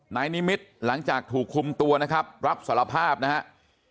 นายนิมิตรหลังจากถูกคุมตัวนะครับรับสารภาพนะครับ